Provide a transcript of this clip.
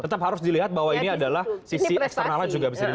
tetap harus dilihat bahwa ini adalah sisi eksternalnya juga bisa dilihat